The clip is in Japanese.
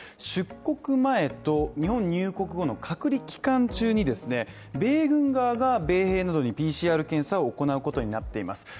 出国前と日本入国後の隔離期間中に米軍側が米兵などにＰＣＲ検査を行うことになっています。